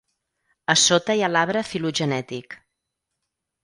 A sota hi ha l'arbre filogenètic.